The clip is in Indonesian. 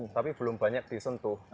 tapi belum banyak disentuh